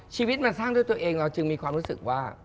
ชีวิตมันสร้างด้วยตัวเองเราจึงมีความรู้สึกว่า